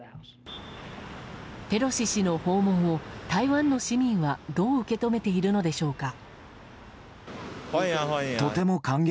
ペロシ氏の訪問を台湾の市民はどう受け止めているのでしょうか。